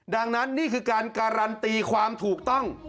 ดังนั้นนี่คือการการันตีความถูกต้อง